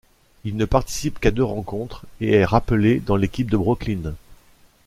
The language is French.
Il ne participe qu'à deux rencontres et est rappelé dans l'équipe de Brooklyn.